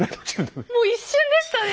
もう一瞬でしたね。